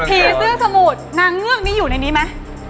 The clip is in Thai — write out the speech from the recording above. เสื้อสมุดนางเงือกนี้อยู่ในนี้ไหม